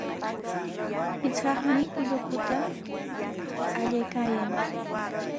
Pichqaqmi ullukuta allaykaayan.